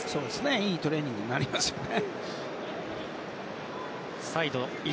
いいトレーニングになりますよね。